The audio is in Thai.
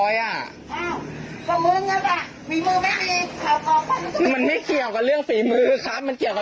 และคุณมาเนี่ยพ่อแม่พี่ผมเนี่ยหรอฮะ